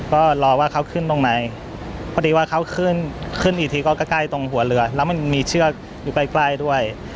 ก็รอว่าเขาขึ้นตรงไหนพอดีว่าเขาขึ้นขึ้นอีกทีก็ใกล้ตรงหัวเรือแล้วมันมีเชือกอยู่ใกล้ใกล้ด้วย